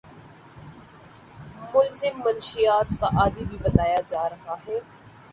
ملزم مشیات کا عادی بھی بتایا جا رہا ہے